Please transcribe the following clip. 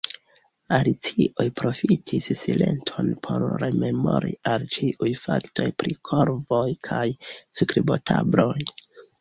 Alicio profitis silenton por rememori al ĉiuj faktoj pri korvoj kaj skribotabloj.